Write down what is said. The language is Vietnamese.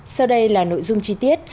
sau đây là nội dung chi tiết